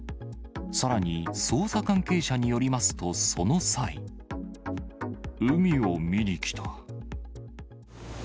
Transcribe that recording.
さらに、捜査関係者によりますと、海を見に来た。